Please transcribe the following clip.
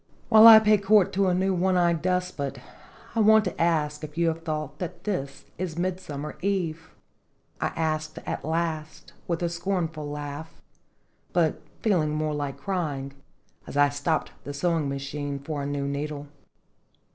" While I pay court to a new ' one eyed des pot,' I want to ask if you have thought that this is Midsummer Eve?" I asked at last, with a scornful laugh, but feeling more like crying, as I stopped the sewing machine for a new needle.